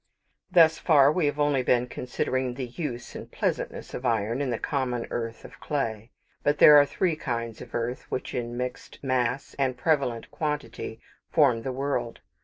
Thus far we have only been considering the use and pleasantness of iron in the common earth of clay. But there are three kinds of earth which in mixed mass and prevalent quantity, form the world.